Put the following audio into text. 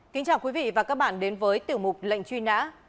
kính chào quý vị và các bạn đến với tiểu mục lệnh truy nã